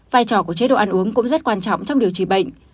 vai trò của chế độ ăn uống cũng rất quan trọng trong điều trị bệnh